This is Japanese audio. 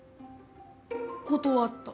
断った。